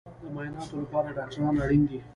د معایناتو لپاره ډاکټر اړین دی